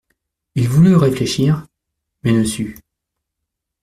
Il voulut réfléchir, mais ne sut.